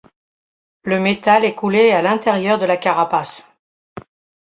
Le métal est coulé à l’intérieur de la carapace.